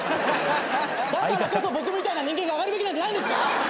だからこそ僕みたいな人間が上がるべきなんじゃないんですか？